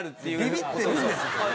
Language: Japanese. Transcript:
「ビビってるんですよ」